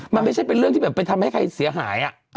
มันไม่ใช่เป็นเรื่องที่แบบไปทำให้ใครเสียหาย